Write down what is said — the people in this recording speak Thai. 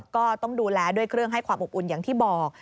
ก็ต้องดูแลด้วยเครื่องให้ความอบอุ่นอย่างที่บอก